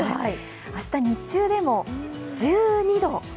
明日日中でも１２度。